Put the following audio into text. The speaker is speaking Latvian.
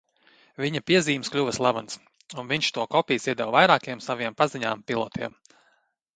Viņa piezīmes kļuva slavenas, un viņš to kopijas iedeva vairākiem saviem paziņām pilotiem.